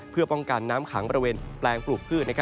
เพื่อป้องกันน้ำขังบริเวณแปลงปลูกพืช